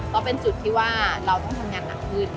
ก็เป็นจุดที่ว่าเราต้องทำงานหนักขึ้น